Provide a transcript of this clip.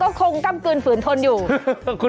ก็คงก้ำกลืนฝืนทนอยู่